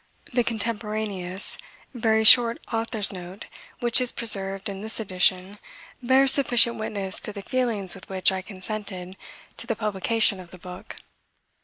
The contemporaneous very short Author's Note which is preserved in this edition bears sufficient witness to the feelings with which I consented to the publication of the book.